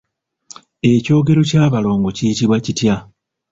Ekyogero ky'abalongo kiyitibwa kitya?